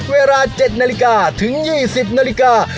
เวลา๗นาฬิกาถึง๒๐นาฬิกา